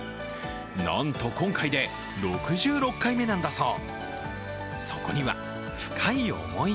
なんと今回で６６回目なんだそう。